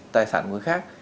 tài sản của người khác